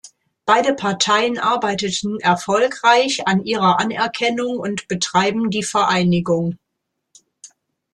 Beide Parteien arbeiteten erfolgreich an ihrer Anerkennung und betreiben die Vereinigung.